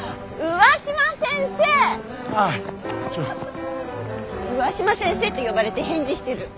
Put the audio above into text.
上嶋先生って呼ばれて返事してる。